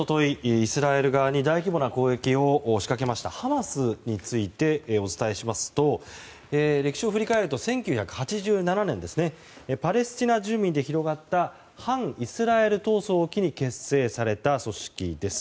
イスラエル側に大規模な攻撃を仕掛けましたハマスについてお伝えしますと歴史を振り返ると１９８７年パレスチナ住民で広がった反イスラエル闘争を機に結成された組織です。